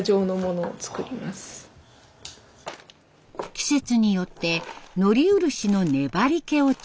季節によってのり漆の粘りけを調整。